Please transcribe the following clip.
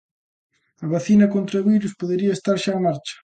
A vacina contra o virus podería estar xa en marcha.